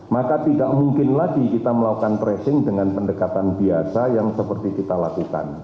maka tidak mungkin lagi kita melakukan tracing dengan pendekatan biasa yang seperti kita lakukan